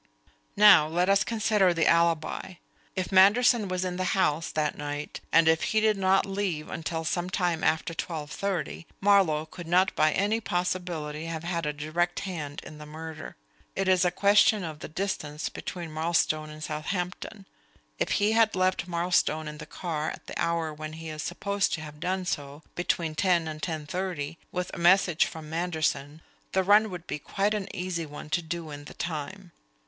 Now let us consider the alibi. If Manderson was in the house that night, and if he did not leave it until some time after twelve thirty, Marlowe could not by any possibility have had a direct hand in the murder. It is a question of the distance between Marlstone and Southampton. If he had left Marlstone in the car at the hour when he is supposed to have done so between ten and ten thirty with a message from Manderson, the run would be quite an easy one to do in the time.